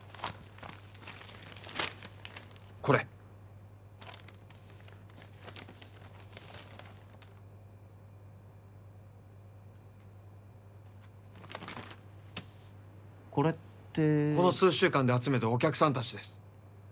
これこれってこの数週間で集めたお客さん達です